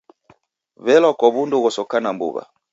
Welwa kwa wundu ghosokana mbuw'a